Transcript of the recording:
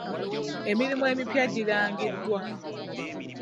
Emirimu emipya girangiddwa.